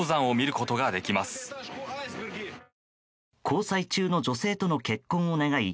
交際中の女性との結婚を願い